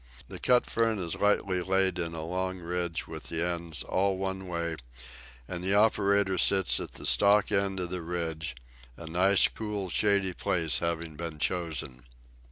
The cut fern is lightly laid in a long ridge with the ends all one way, and the operator sits at the stalk end of the ridge, a nice cool shady place having been chosen.